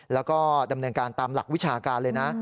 แล้วก็ดำเนินการตามหลักวิชาการเลยนะ